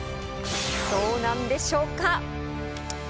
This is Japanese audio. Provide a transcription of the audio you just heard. どうなんでしょうか？